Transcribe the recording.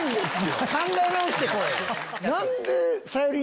考え直してこい！